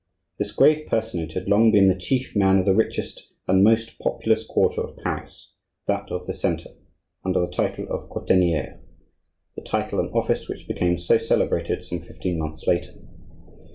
This grave personage had long been the chief man of the richest and most populous quarter of Paris, that of the centre, under the title of quartenier,—the title and office which became so celebrated some fifteen months later.